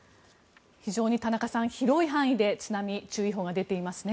田中さん、非常に広い範囲で津波注意報が出ていますね。